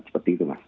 seperti itu mas